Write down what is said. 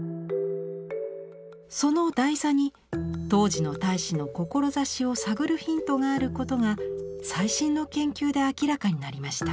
その台座に当時の太子の志を探るヒントがあることが最新の研究で明らかになりました。